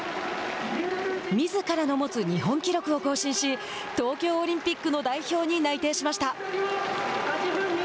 みずからの持つ日本記録を更新し東京オリンピックの代表に内定しました。